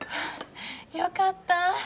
よかった！